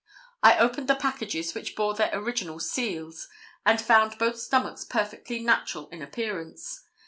I opened the packages, which bore their original seals, and found both stomachs perfectly natural in appearance.